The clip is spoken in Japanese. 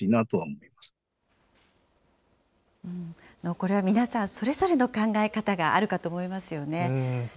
これは皆さん、それぞれの考え方があるかと思いますよね。